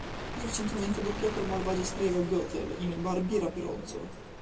Più recentemente ha doppiato la malvagia strega Gothel in "Barbie Raperonzolo".